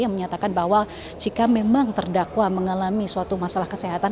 yang menyatakan bahwa jika memang terdakwa mengalami suatu masalah kesehatan